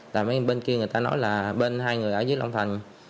tại mấy bên kia người ta nói là bên hai người ở dưới long thành